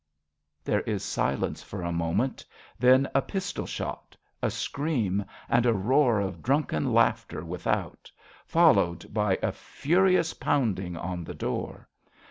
..." {There is silence for a moment, then a pistol shot, a scream, and a roar of drunken laughter zvithout, followed by a furious pounding on the door.